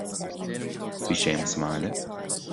Bhí Séamus sa bhaile